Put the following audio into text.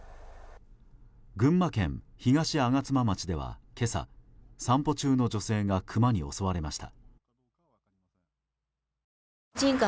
群馬県東吾妻町では今朝散歩中の女性がクマに襲われました。